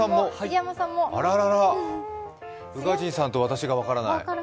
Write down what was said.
あららら、宇賀神さんと私が分からない。